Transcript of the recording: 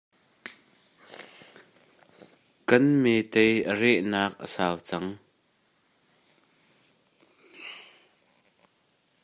Kan metei a reh nak a sau cang.